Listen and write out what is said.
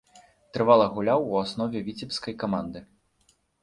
Трывала гуляў у аснове віцебскай каманды.